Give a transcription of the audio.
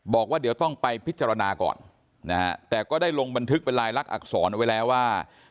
บอกว่าเดี๋ยวต้องไปพิจารณาก่อนนะฮะแต่ก็ได้ลงบันทึกเป็นลายลักษณอักษรเอาไว้แล้วว่า